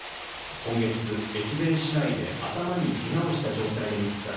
今月、越前市内で頭にけがをした状態で見つかり